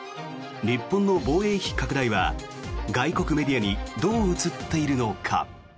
日本の防衛費拡大は外国メディアにどう映っているのか。